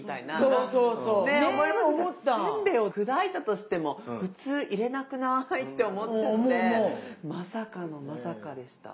だってせんべいを砕いたとしても普通入れなくない？って思っちゃってまさかのまさかでした。